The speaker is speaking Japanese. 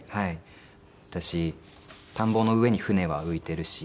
だし田んぼの上に船は浮いているし。